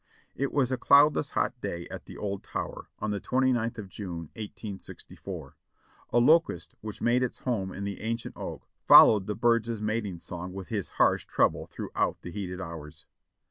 It was a cloudless hot day at old Tower Hill, on the 29th of June, 1864. A locust which made its home in the ancient oak fol lowed the birds' matin song with his harsh treble throughout the heated hours.